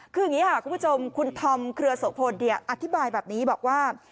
คืออย่างนี้ค่ะคุณผู้ชมคุณธอมเครือโสพลอธิบายแบบนี้บอกว่า